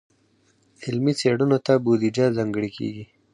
علمي څیړنو ته بودیجه ځانګړې کیږي.